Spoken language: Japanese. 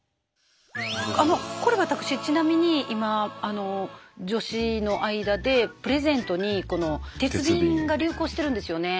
あのこれ私ちなみに今女子の間でプレゼントにこの鉄瓶が流行してるんですよね。